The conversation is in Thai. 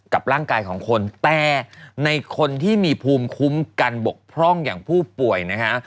กับร่างกายของคนแต่ในคนที่มีภูมิคุ้มกันบกพร่องอย่างผู้ป่วยนะฮะ